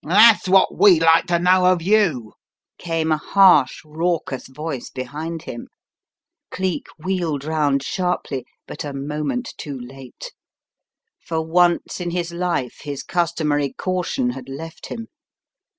"That's what we'd like to know of you," came a harsh, raucous voice behind him. Cleek wheeled round sharply, but a moment too late. For once in his life his customary caution had left him.